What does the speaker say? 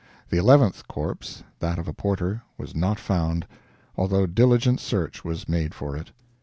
The eleventh corpse that of a porter was not found, although diligent search was made for it.